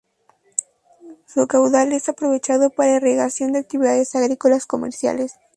Su caudal es aprovechado para irrigación de actividades agrícolas comerciales.